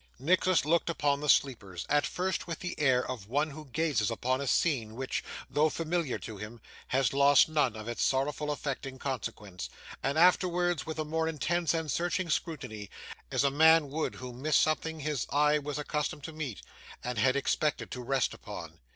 Nicholas looked upon the sleepers; at first, with the air of one who gazes upon a scene which, though familiar to him, has lost none of its sorrowful effect in consequence; and, afterwards, with a more intense and searching scrutiny, as a man would who missed something his eye was accustomed to meet, and had expected to rest upon.